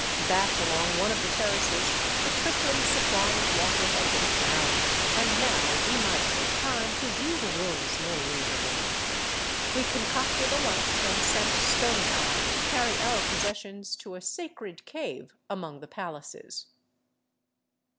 Back along one of the terraces a trickling supply of water had been found, and now we might take time to view the ruins more leisurely. We concocted a lunch and sent Stony Eye to carry our possessions to a *' sacred cave " among the palaces.